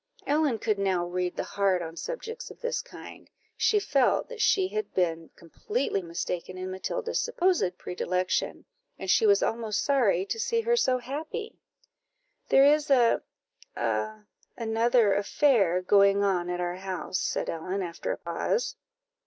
Ellen could now read the heart on subjects of this kind; she felt that she had been completely mistaken in Matilda's supposed predilection, and she was almost sorry to see her so happy. "There is a a another affair going on at our house," said Ellen, after a pause.